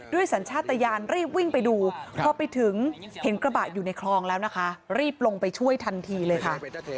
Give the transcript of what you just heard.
สัญชาติยานรีบวิ่งไปดูพอไปถึงเห็นกระบะอยู่ในคลองแล้วนะคะรีบลงไปช่วยทันทีเลยค่ะ